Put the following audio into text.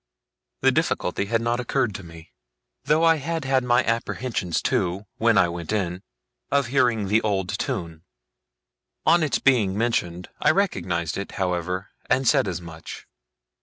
The difficulty had not occurred to me; though I had had my apprehensions too, when I went in, of hearing the old tune. On its being mentioned, I recognized it, however, and said as much.